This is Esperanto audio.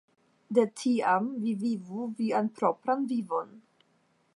De tiam vi vivu vian propran vivon.